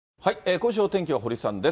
今週のお天気は堀さんです。